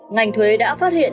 ngành thuế đã phát hiện